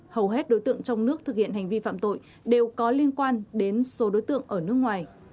hầu hết đối tượng trong nước thực hiện hành vi phạm tội đều có liên quan đến số đối tượng ở nước ngoài